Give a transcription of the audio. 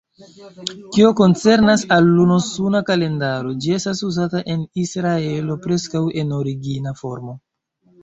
Kio koncernas al luno-suna kalendaro, ĝi estas uzata en Israelo preskaŭ en origina formo.